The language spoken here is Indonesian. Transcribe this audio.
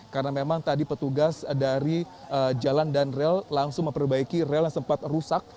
karena memang tadi petugas dari jalan dan rel langsung memperbaiki rel yang sempat rusak